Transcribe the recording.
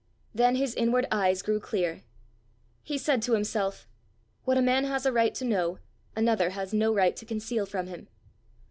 Then his inward eyes grew clear. He said to himself, "What a man has a right to know, another has no right to conceal from him.